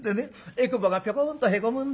えくぼがぴょこんとへこむんだ。